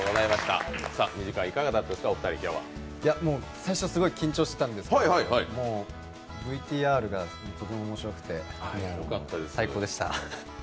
最初すごい緊張してたんですけどＶＴＲがとっても面白くて最高でした。